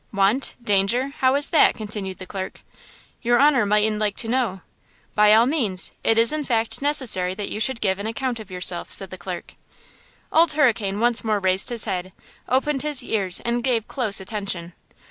"Want? Danger? How is that?" continued the clerk. "Your honor mightn't like to know." "By all means! It is, in fact, necessary that you should give an account of yourself," said the clerk. Old Hurricane once more raised his head, opened his ears and gave close attention.